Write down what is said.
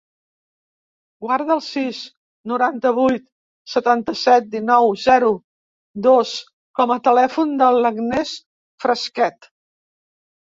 Guarda el sis, noranta-vuit, setanta-set, dinou, zero, dos com a telèfon de l'Agnès Frasquet.